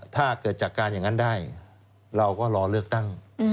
ถ้าเกิดจากการอย่างนั้นได้เราก็รอเลือกตั้ง